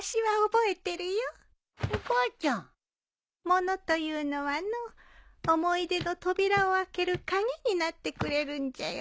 物というのはの思い出の扉を開ける鍵になってくれるんじゃよ。